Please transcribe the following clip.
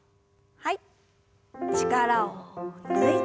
はい。